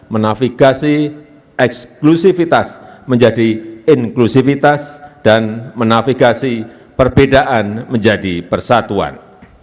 menafigasi eksklusivitas menjadi inklusivitas dan menafigasi perbedaan menjadi persatuan